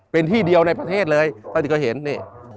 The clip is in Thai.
เป็นที่เดียวในประเทศเลยตอนนี้ก็เห็นนี่